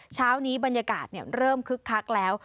เช้านี้บรรยากาศเริ่มคึกคักแล้ว